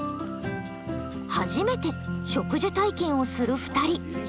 初めて植樹体験をする２人。